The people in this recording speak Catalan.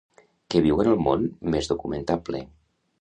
Que viuen al món més documentable.